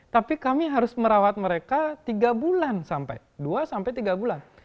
tapi kami harus merawat mereka tiga bulan sampai dua sampai tiga bulan